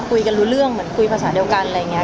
คุยกันรู้เรื่องเหมือนคุยภาษาเดียวกันอะไรอย่างนี้